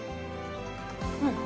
うん。